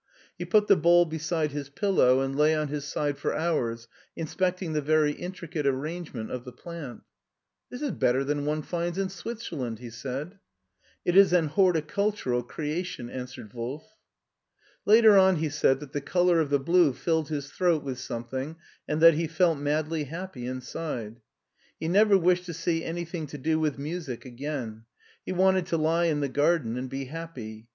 He put the bowl beside his pillow and lay on his side for hours inspecting the very intricate arrange ment of the plant. "This is better than one finds in Switzerland,*' he said " It is an horticultui'al creation," answered Wolf. Later on he said that the color of the blue filled his throat with something and that he felt madly happy inside. He never wished to see anything to do with music again; he wanted to lie in the garden and be happy.